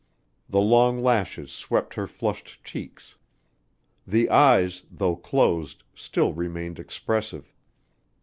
The long lashes swept her flushed cheeks. The eyes, though closed, still remained expressive.